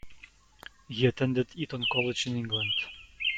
He attended Eton College in England.